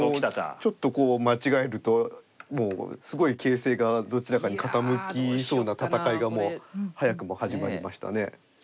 ちょっと間違えるともうすごい形勢がどちらかに傾きそうな戦いがもう早くも始まりましたね。